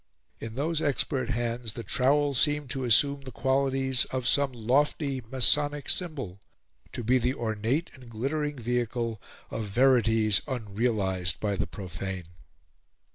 In those expert hands the trowel seemed to assume the qualities of some lofty masonic symbol to be the ornate and glittering vehicle of verities unrealised by the profane.